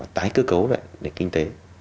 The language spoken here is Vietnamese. tái cơ cấu lại kinh tế